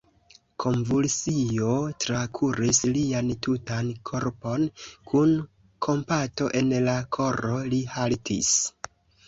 Konvulsio trakuris lian tutan korpon: kun kompato en la koro, li haltis.